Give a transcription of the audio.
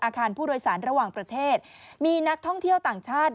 อาคารผู้โดยสารระหว่างประเทศมีนักท่องเที่ยวต่างชาติ